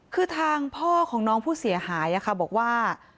คือทางพ่อของน้องผู้เสียหายบอกว่า